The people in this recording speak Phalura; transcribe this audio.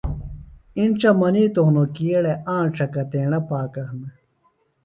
اِنڇہ منِیتوۡ ہنوۡ کیۡ ”اڑے آنڇہ کتیڻہ پاکہ ہنے“